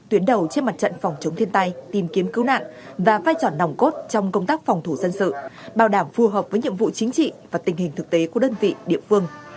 tuyến đầu trên mặt trận phòng chống thiên tai tìm kiếm cứu nạn và vai trò nòng cốt trong công tác phòng thủ dân sự bảo đảm phù hợp với nhiệm vụ chính trị và tình hình thực tế của đơn vị địa phương